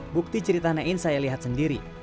bukti cerita nein saya lihat sendiri